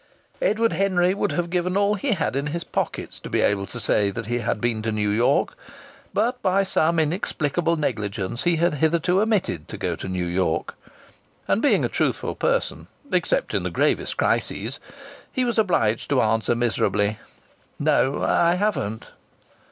Edward Henry would have given all he had in his pockets to be able to say that he had been to New York. But by some inexplicable negligence he had hitherto omitted to go to New York, and being a truthful person (except in the gravest crises) he was obliged to answer miserably: "No, I haven't."